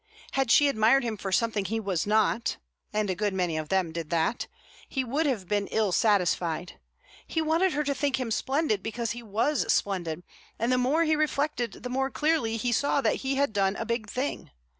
Had she admired him for something he was not (and a good many of them did that) he would have been ill satisfied. He wanted her to think him splendid because he was splendid, and the more he reflected the more clearly he saw that he had done a big thing.